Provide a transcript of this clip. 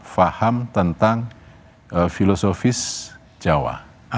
faham tentang filosofis jawa